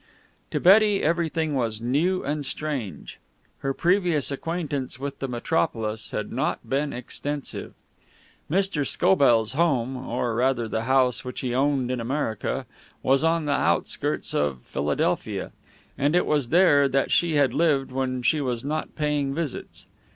To Betty everything was new and strange. Her previous acquaintance with the metropolis had not been extensive. Mr. Scobell's home or, rather, the house which he owned in America was on the outskirts of Philadelphia, and it was there that she had lived when she was not paying visits.